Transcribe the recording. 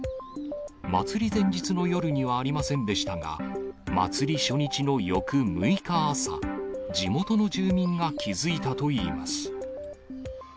祭り前日の夜にはありませんでしたが、祭り初日の翌６日朝、地元の住民が気付いたといいます。